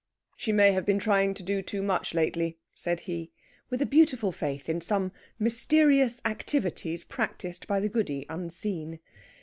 "She may have been trying to do too much lately," said he, with a beautiful faith in some mysterious activities practised by the Goody unseen.